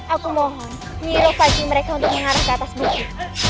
aku mohon miras pagi mereka untuk mengarah ke atas bukit